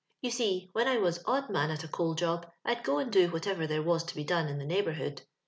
Yon see, when I was odd man at a coal job^ I'd go and do whatever there was to be done in the neigh bourhood.